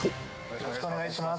よろしくお願いします。